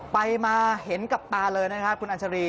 ไปมาเห็นกับตาเลยนะครับคุณอัญชารี